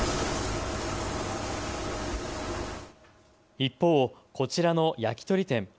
一方、こちらの焼き鳥店。